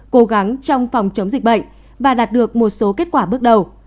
cố gắng trong phòng chống dịch bệnh và đạt được một số kết quả bước đầu